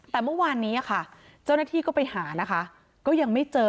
แต่เมื่อวานนี้ค่ะเจ้าหน้าที่ก็ไปหานะคะก็ยังไม่เจอ